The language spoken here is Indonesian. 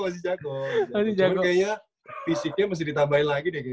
masih jago masih jago cuman kayaknya fisiknya mesti ditambahin lagi deh gim